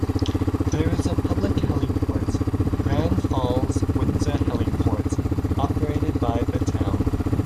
There is a public heliport, Grand Falls-Windsor Heliport operated by the town.